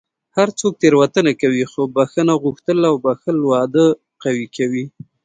هر څوک تېروتنه کوي، خو بښنه غوښتل او بښل واده قوي کوي.